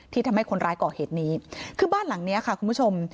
ทำให้คนร้ายก่อเหตุนี้คือบ้านหลังเนี้ยค่ะคุณผู้ชม